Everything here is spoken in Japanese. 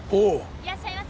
いらっしゃいませ。